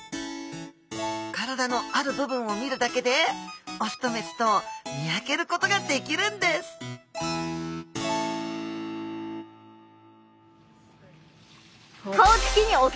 体のある部分を見るだけで雄と雌とを見分けることができるんです雄！